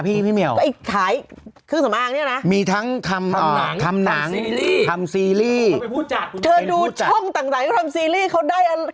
เธอดูช่องต่างที่เขาทำซีรีส์เขาได้อะไร